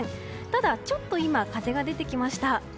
ただ、ちょっと今風が出てきました。